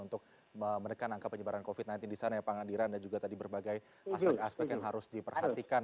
untuk menekan angka penyebaran covid sembilan belas di sana ya pak andiran dan juga tadi berbagai aspek aspek yang harus diperhatikan